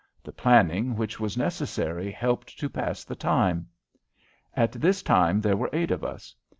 The planning which was necessary helped to pass the time. At this time there were eight of us.